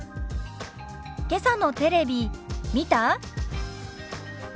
「けさのテレビ見た？」。